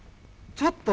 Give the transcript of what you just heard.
ちょっと。